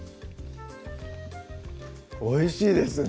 おいしいですね